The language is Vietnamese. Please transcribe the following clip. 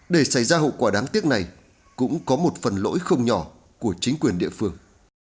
để xảy ra hậu quả đáng tiếc này cũng có một phần lỗi không nhỏ của chính quyền địa phương